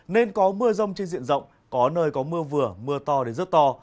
nên có mưa rông trên diện rộng có nơi có mưa vừa mưa to đến rất to